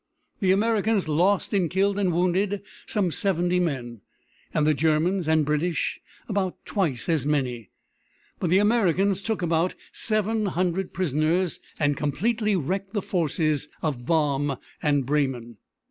The Americans lost in killed and wounded some seventy men, and the Germans and British about twice as many, but the Americans took about seven hundred prisoners, and completely wrecked the forces of Baum and Breymann.